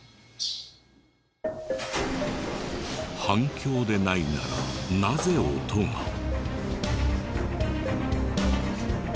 反響でないならなぜ音が？